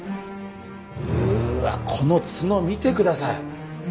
うわっこのツノ見てください。